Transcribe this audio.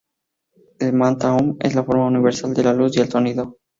El mantra "om" es la forma universal de la luz y el sonido.